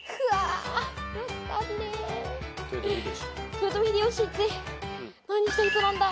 豊臣秀吉って何した人なんだ？